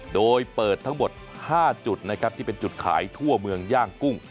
โดยเปิดทั้งหมด๕จุดนะครับที่เป็นจุดขายทั่วเมืองย่างกุ้ง